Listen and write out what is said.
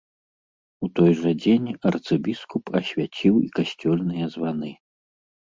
У той жа дзень арцыбіскуп асвяціў і касцёльныя званы.